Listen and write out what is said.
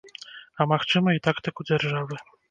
А магчыма, і тактыку дзяржавы.